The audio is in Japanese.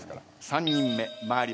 ３人目参ります。